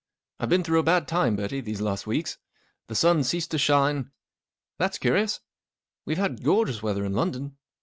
I've been through a bad time, Bertie, these last weeks. The sun ceased to shine " 4 ' That's curious. We've had gorgeous weather in London."